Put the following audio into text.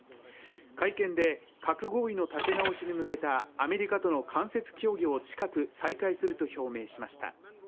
会見で、核合意の立て直しに向けたアメリカとの間接協議を近く再開すると表明しました。